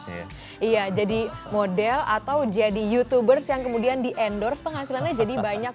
iya jadi model atau jadi youtubers yang kemudian di endorse penghasilannya jadi banyak